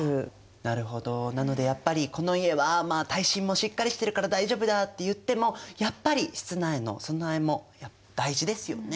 なるほどなのでやっぱりこの家は耐震もしっかりしてるから大丈夫だっていってもやっぱり室内の備えも大事ですよね。